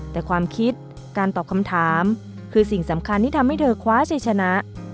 แต่ความคิดการตอบคำถามคือสิ่งสำคัญที่ทำให้เธอคว้าชัยชนะ